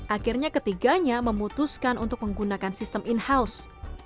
akhirnya ketiganya memutuskan untuk menggunakan sistem in house